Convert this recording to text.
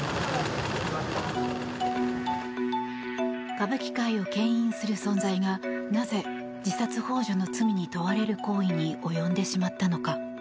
歌舞伎界をけん引する存在がなぜ、自殺ほう助の罪に問われる行為に及んでしまったのか。